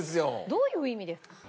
どういう意味ですか？